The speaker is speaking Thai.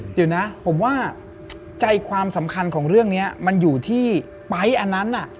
เดี๋ยวนะผมว่าใจความสำคัญของเรื่องนี้มันอยู่ที่ไปอันนั้น